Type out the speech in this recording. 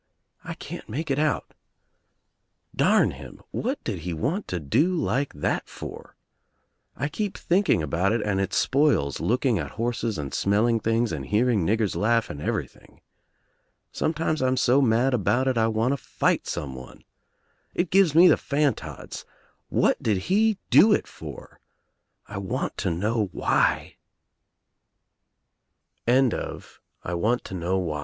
I can't make it out. Darn 20 THE TRIUMPH OF THE EGG him, what did he want to do like that for? I keep thinking about it and it spoils looking at horses and smelling things and hearing niggers laugh and every thing. Sometimes Fm so mad about It I want to fight someone. It g^ves me the f antods. What did he do it for? I want to know why.